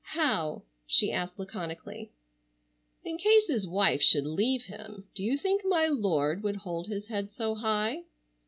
"How?" she asked laconically. "In case his wife should leave him do you think my lord would hold his head so high?"